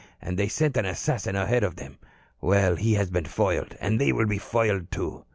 And they sent an assassin ahead of them. Well, he has been foiled. And they will be foiled, too."